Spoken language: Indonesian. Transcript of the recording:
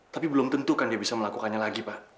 tapi belum tentu kan dia bisa melakukannya lagi pak